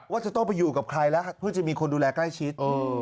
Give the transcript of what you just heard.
ว่าจะต้องไปอยู่กับใครแล้วเพื่อจะมีคนดูแลใกล้ชิด